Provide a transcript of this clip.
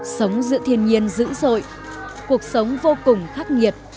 sống giữa thiên nhiên dữ dội cuộc sống vô cùng khắc nghiệt